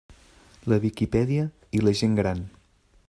La Viquipèdia i la gent gran.